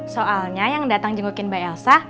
soalnya yang datang jengukin mbak elsa